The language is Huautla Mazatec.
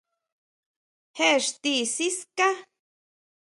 ¿ Jé íxti siská?